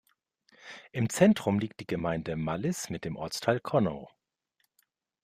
Im Zentrum liegt die Gemeinde Malliß mit dem Ortsteil Conow.